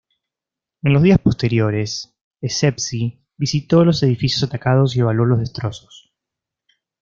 En los días posteriores, Essebsi visitó los edificios atacados y evaluó los destrozos.